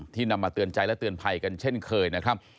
นำมาเตือนใจและเตือนภัยกันเช่นเคยนะครับ